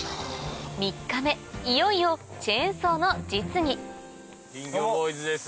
いよいよチェーンソーの実技林業ボーイズです。